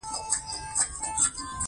کوم یو ښه و؟